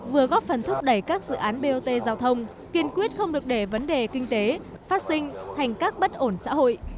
vừa góp phần thúc đẩy các dự án bot giao thông kiên quyết không được để vấn đề kinh tế phát sinh thành các bất ổn xã hội